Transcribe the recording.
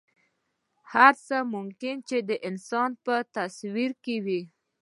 هر ممکن څه چې د انسان په تصور کې وي.